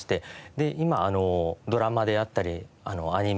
で今ドラマであったりアニメ